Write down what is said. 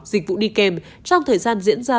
dịch vụ đi kèm trong thời gian diễn ra